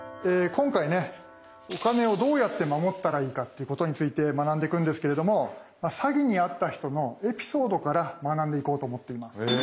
今回ねお金をどうやってまもったらいいかっていうことについて学んでいくんですけれども詐欺にあった人のエピソードから学んでいこうと思っています。